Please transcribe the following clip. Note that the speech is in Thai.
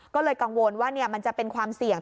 ก็เลยกังวลว่ามันจะเป็นความเสี่ยง